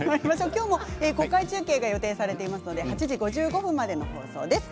今日も国会中継が予定されていますので８時５５分までの放送です。